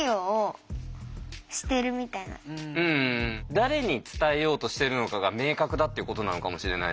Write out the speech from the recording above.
誰に伝えようとしてるのかが明確だっていうことなのかもしれないね。